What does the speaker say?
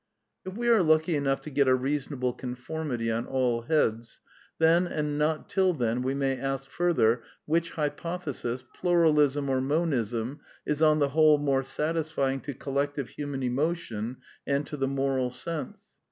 If we are lucky enough to get a reasonable conformity on all heads, then and not till then we may ask further which hypothesis, Pluralism or Monism, is on the whole more satisfying to collective human emotion and to the moral sense?